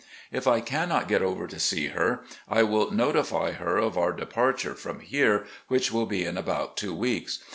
If I carmot get over to see her, I will notify her of our departure from here, which will be in about two weeks.